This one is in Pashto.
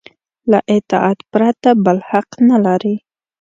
له اطاعت پرته بل حق نه لري.